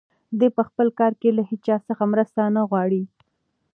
دی په خپل کار کې له هیچا څخه مرسته نه غواړي.